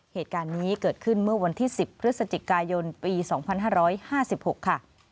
เหตุการณ์นี้เกิดขึ้นเมื่อวันที่๑๐พฤศจิกายนปี๒๕๕๖ค่ะ